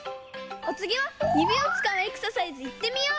おつぎは指をつかうエクササイズいってみよう！